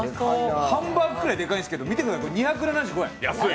ハンバーグぐらいデカいんですけど、見てください、これ２７５円！